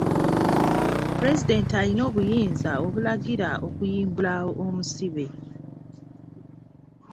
Pulezidenti alina obuyinza obulagira okuyimbula omusibe.